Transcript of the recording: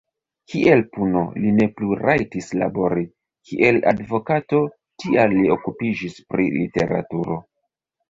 Kiel puno, li ne plu rajtis labori, kiel advokato, tial li okupiĝis pri literaturo.